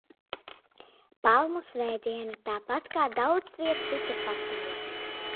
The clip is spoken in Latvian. Palmu svētdiena, tāpat kā daudzviet citur pasaulē.